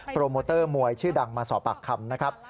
โมเตอร์มวยชื่อดังมาสอบปากคำนะครับ